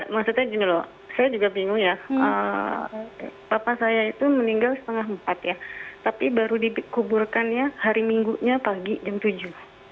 maksudnya gini loh saya juga bingung ya papa saya itu meninggal setengah empat ya tapi baru dikuburkannya hari minggunya pagi jam tujuh